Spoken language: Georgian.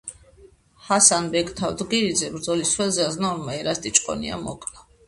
ჰასან-ბეგ თავდგირიძე ბრძოლის ველზე აზნაურმა ერასტი ჭყონიამ მოკლა.